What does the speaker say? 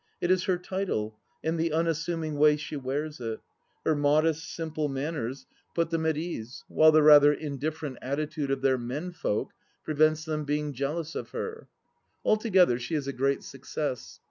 It is her title and the unassuming way she wears it. Her modest, simple manners put them 294 THE LAST DITCH at ease, while the rather indifferent attitude of their men folk prevents them being jealous of her. Altogether, she is a great success.